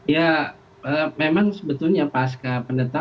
ya memang sebetulnya pas kependetapan